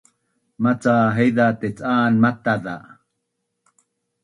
Maca haiza tec’an mataz za